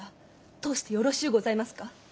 通してよろしうございますか？